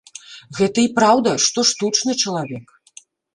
Гэта й праўда, што штучны чалавек.